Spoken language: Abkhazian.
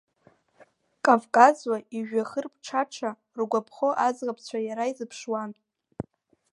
Кавказ уаҩ ижәҩахыр ԥҽаҽа ргәаԥхо, аӡӷабцәа иара изыԥшуан.